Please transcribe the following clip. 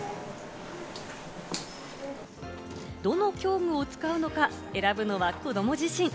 どの教具を使うのか、選ぶのは子ども自身。